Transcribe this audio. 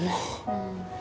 うん。